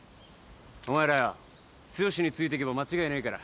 お前らよ剛についてけば間違いねえから。